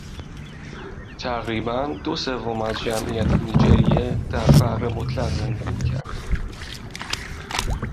تقریباً دو سوم از جمعیت نیجریه در فقر مطلق زندگی میکردند